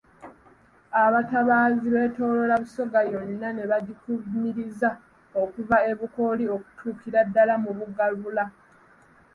Abatabaazi beetooloola Busoga yonna ne bagikumiriza okuva e Bukooli okutuukira ddala mu Bugabula.